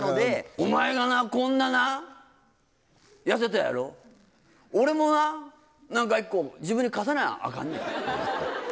お前がな、こんなな、痩せたやろ、俺もな、なんか１個、自分に課さなあかんねん。